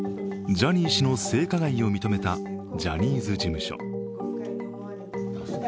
ジャニー氏の性加害を認めたジャニーズ事務所。